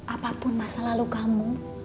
apapun masa lalu kamu